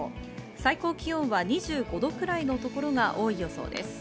最高気温は２５度くらいのところが多い予想です。